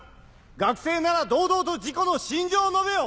学生なら堂々と自己の真情を述べよ！